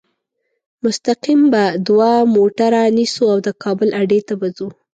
مستقیم به دوه موټره نیسو او د کابل اډې ته به ځو.